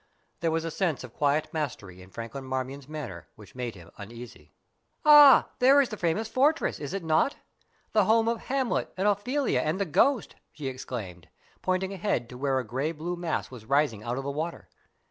There was a sense of quiet mastery in Franklin Marmion's manner which made him uneasy. "Ah! there is the famous fortress, is it not? the home of Hamlet and Ophelia and the Ghost!" she exclaimed, pointing ahead to where a grey blue mass was rising out of the water.